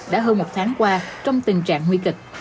đã hơn một tháng qua trong tình trạng nguy kịch